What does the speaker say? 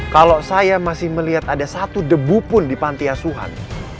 kalau saya masih melihat ada satu debu pun di panti asuhan